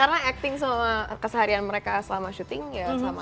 jadi shooting seharian mereka selama shooting ya sama aja